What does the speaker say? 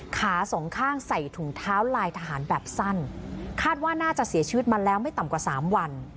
สองข้างใส่ถุงเท้าลายทหารแบบสั้นคาดว่าน่าจะเสียชีวิตมาแล้วไม่ต่ำกว่าสามวัน